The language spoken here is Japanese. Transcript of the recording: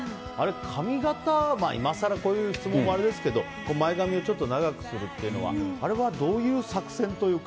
髪形は今更こういう質問もあれですけど前髪を長くするっていうのはどういう作戦というか。